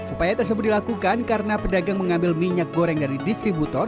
upaya tersebut dilakukan karena pedagang mengambil minyak goreng dari distributor